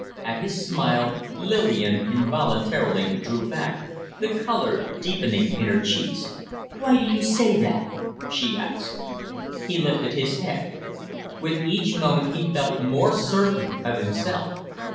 At his smile, Lillian involuntarily drew back, the color deepening in her cheeks. "Why do you say that?" she asked. He lifted his head. With each moment he felt more certain of himself.